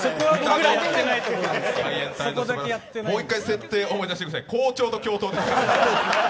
もう一回、設定、思い出してください、校長と教頭ですから。